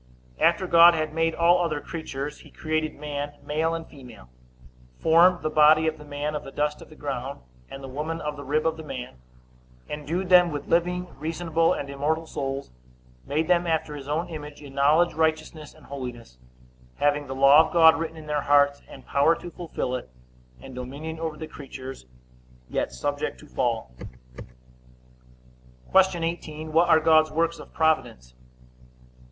A. After God had made all other creatures, he created man male and female; formed the body of the man of the dust of the ground, and the woman of the rib of the man, endued them with living, reasonable, and immortal souls; made them after his own image, in knowledge, righteousness, and holiness; having the law of God written in their hearts, and power to fulfill it, and dominion over the creatures; yet subject to fall. Q. 18. What are God's works of providence?